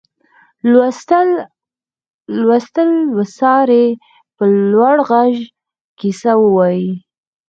لوستل وڅاري په لوړ غږ کیسه ووايي.